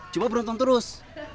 coba beruntung terus